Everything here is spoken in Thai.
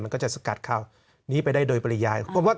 มันก็จะสกัดเข้านี้ไปได้โดยปริญญา